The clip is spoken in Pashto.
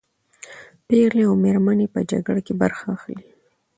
پېغلې او مېرمنې په جګړه کې برخه اخلي.